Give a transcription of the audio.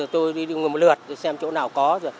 tôi đi một lượt xem chỗ nào có